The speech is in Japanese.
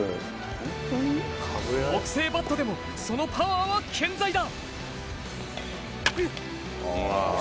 木製バットでも、そのパワーは健在だ。